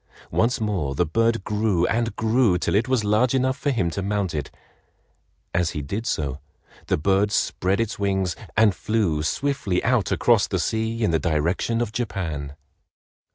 Once more the bird grew and grew till it was large enough for him to mount it. As he did so, the bird spread its wings and flew, swiftly out across the sea in the direction of Japan.